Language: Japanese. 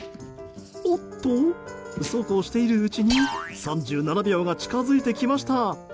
おっと、そうこうしているうちに３７秒が近づいてきました。